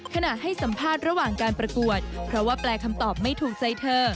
ให้สัมภาษณ์ระหว่างการประกวดเพราะว่าแปลคำตอบไม่ถูกใจเธอ